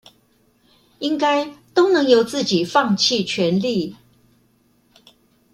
應該都能由自己放棄權力